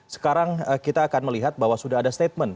sekarang kita akan melihat bahwa sudah ada statement